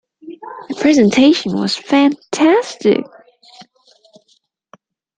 Her presentation was fantastic!